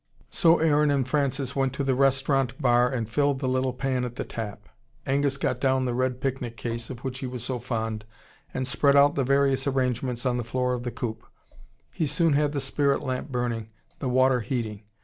So Aaron and Francis went to the restaurant bar and filled the little pan at the tap. Angus got down the red picnic case, of which he was so fond, and spread out the various arrangements on the floor of the coupe. He soon had the spirit lamp burning, the water heating.